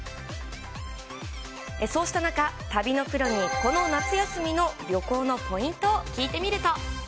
そうした中、旅のプロにこの夏休みの旅行のポイントを聞いてみると。